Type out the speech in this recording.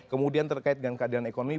kemudian terkait dengan keadaan ekonomi